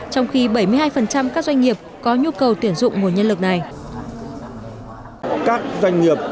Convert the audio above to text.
trong khi bảy mươi hai các doanh nghiệp